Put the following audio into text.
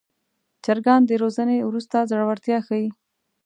چرګان د روزنې وروسته زړورتیا ښيي.